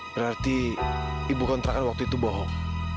berarti ibu kontrakan waktu itu bohong